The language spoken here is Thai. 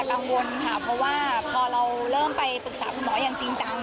กังวลค่ะเพราะว่าพอเราเริ่มไปปรึกษาคุณหมออย่างจริงจัง